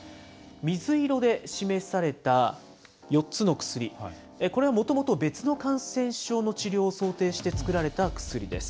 水色で示された４つの薬、これはもともと別の感染症の治療を想定して作られた薬です。